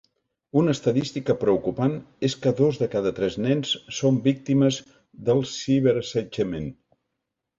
Una estadística preocupant és que dos de cada tres nens són víctimes del ciberassetjament.